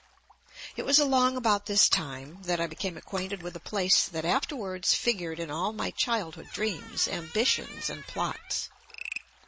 It was along about this time that I became acquainted with a place that afterwards figured in all my childhood dreams, ambitions and plots.